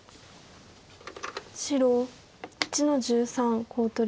白１の十三コウ取り。